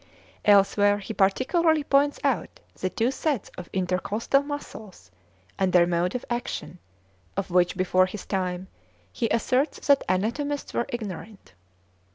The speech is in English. Elsewhere he particularly points out the two sets of intercostal muscles and their mode of action, of which, before his time, he asserts that anatomists were ignorant.